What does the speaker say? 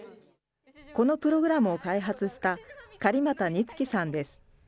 このプログラムを開発した狩俣日姫さんです。